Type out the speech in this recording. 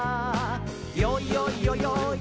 「よいよいよよい